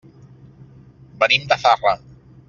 Venim de Zarra.